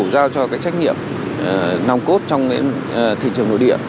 giao cho cái trách nhiệm nòng cốt trong thị trường nội địa